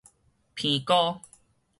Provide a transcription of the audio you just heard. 鼻膏